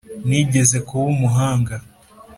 nigeze kuba umuhanga